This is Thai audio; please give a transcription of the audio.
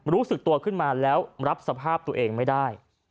รู้สึกตัวขึ้นมาแล้วรับสภาพตัวเองไม่ได้